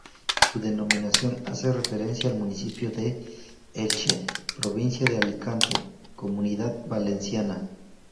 Su denominación hace referencia al municipio de Elche, provincia de Alicante, Comunidad valenciana.